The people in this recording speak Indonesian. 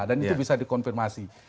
dan itu bisa dikonfirmasi